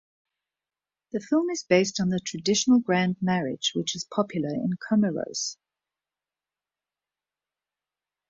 The film is based on the traditional grand marriage which is popular in Comoros.